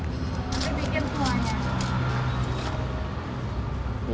nanti bikin semuanya